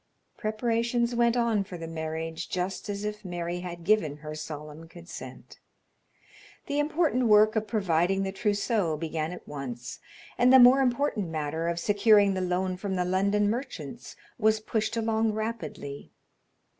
Preparations went on for the marriage just as if Mary had given her solemn consent. The important work of providing the trousseau began at once, and the more important matter of securing the loan from the London merchants was pushed along rapidly.